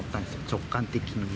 直感的に。